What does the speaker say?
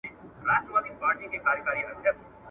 هم لرغونی مورګنی ټولنیز نظام پاته